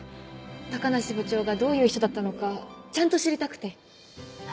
高梨部長がどういう人だったのかちゃんと知りたくて。